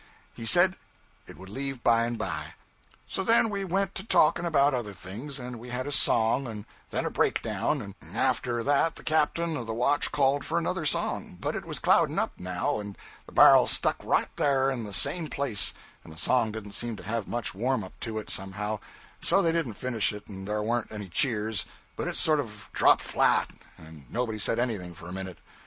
He said it would leave by and by. 'So then we went to talking about other things, and we had a song, and then a breakdown; and after that the captain of the watch called for another song; but it was clouding up, now, and the bar'l stuck right thar in the same place, and the song didn't seem to have much warm up to it, somehow, and so they didn't finish it, and there warn't any cheers, but it sort of dropped flat, and nobody said anything for a minute.